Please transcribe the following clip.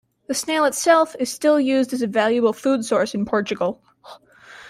The snail itself is still used as a valuable food source in Portugal.